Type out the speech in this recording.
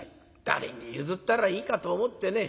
誰に譲ったらいいかと思ってね。